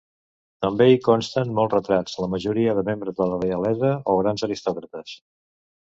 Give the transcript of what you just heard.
També hi consten molts retrats, la majoria de membres de la reialesa o grans aristòcrates.